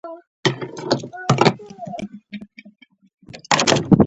د بنسټیزو تاسیساتو سره انساني ژوند هم ډېر زیانمن شو.